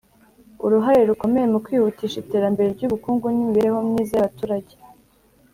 Uruhare rukomeye mu kwihutisha iterambere ry ubukungu n imibereho myiza y abaturage